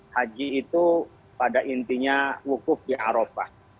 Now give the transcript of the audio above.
haji itu pada intinya wukuf di arafah